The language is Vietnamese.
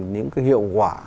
những cái hiệu quả